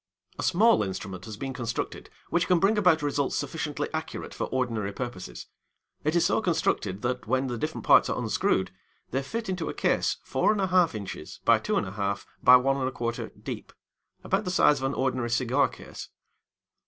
A small instrument has been constructed which can bring about results sufficiently accurate for ordinary purposes. It is so constructed that, when the different parts are unscrewed, they fit into a case 4 1/2 inches by 2 1/2 by 1 1/4 deep about the size of an ordinary cigar case.